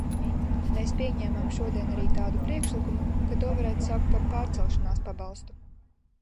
Mēs pieņēmām šodien arī tādu priekšlikumu, ka to varētu saukt par pārcelšanās pabalstu.